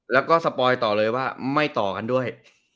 แล้วก็สปอยต่อเลยว่าไม่ต่อกันด้วย